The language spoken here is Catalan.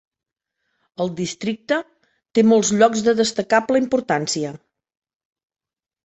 El districte té molts llocs de destacable importància.